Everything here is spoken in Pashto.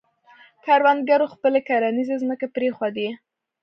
کروندګرو خپلې کرنیزې ځمکې پرېښودې.